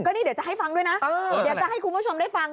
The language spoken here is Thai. นี่เดี๋ยวจะให้ฟังด้วยนะเดี๋ยวจะให้คุณผู้ชมได้ฟัง